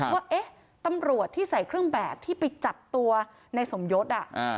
ว่าเอ๊ะตำรวจที่ใส่เครื่องแบบที่ไปจับตัวในสมยศ